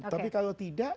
tapi kalau tidak